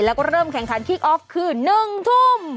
แล้วก็เริ่มแข่งขันที่ออฟคือ๑ทุ่ม